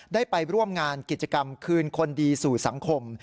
ได้ไปร่วมงานกิจกรรมคืนคนดีสู่สังคม